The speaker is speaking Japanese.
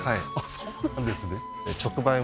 そうなんですね